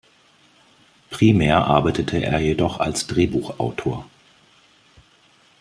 Primär arbeitete er jedoch als Drehbuchautor.